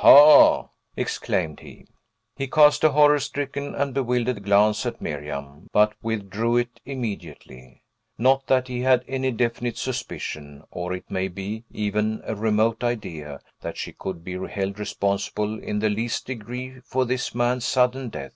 "Ha!" exclaimed he. He cast a horror stricken and bewildered glance at Miriam, but withdrew it immediately. Not that he had any definite suspicion, or, it may be, even a remote idea, that she could be held responsible in the least degree for this man's sudden death.